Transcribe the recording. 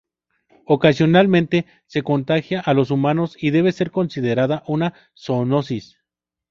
Ocasionalmente se contagia a los humanos y debe ser considerada una zoonosis.